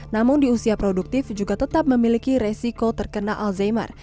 namun di usia produktif juga tetap memiliki resiko terkena alzheimer